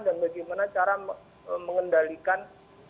dan bagaimana cara mengendalikan